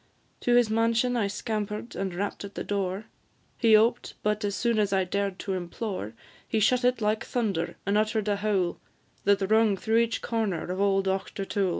To his mansion I scamper'd, and rapp'd at the door; He oped, but as soon as I dared to implore, He shut it like thunder, and utter'd a howl That rung through each corner of old Auchtertool.